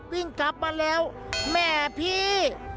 วิ่งกลับมาแล้วแม่พี่